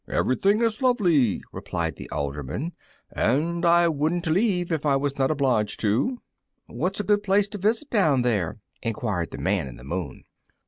"Everything is lovely," replied the alderman, "and I wouldn't leave it if I was not obliged to." "What's a good place to visit down there? enquired the Man in the Moon.